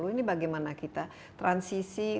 ini bagaimana kita transisi